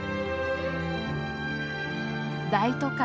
大都会